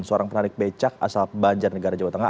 seorang penarik becak asal banjar negara jawa tengah